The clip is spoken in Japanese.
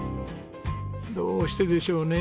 どうしてでしょうね。